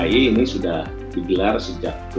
kki ini sudah digelar sejak dua ribu enam belas